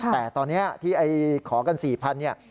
แต่ตอนนี้ที่ขอกัน๔๐๐เนี่ย